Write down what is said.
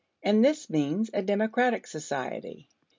And this means a democratic society.